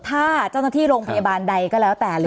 ถ้าเจ้าหน้าที่โรงพยาบาลใดก็แล้วแต่หรือ